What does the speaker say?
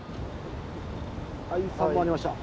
はい３本ありました。